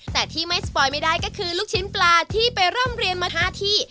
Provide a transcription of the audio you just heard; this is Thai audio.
แต่ที่ไม่สปอยไม่ได้ก็คือลูกชิ้นปลาที่ไปร่ำเรียนมาหาที่